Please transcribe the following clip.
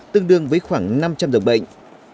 tương đương với khoảng năm trăm linh giờ bệnh